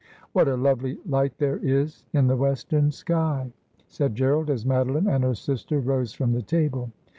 What a lovely light there is in the western sky !' said Gerald, as Madoline and her sister rose from the table.